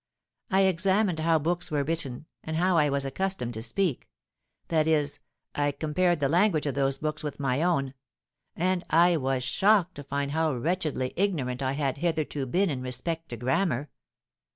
I examined how books were written and how I was accustomed to speak: that is—I compared the language of those books with my own; and I was shocked to find how wretchedly ignorant I had hitherto been in respect to grammar.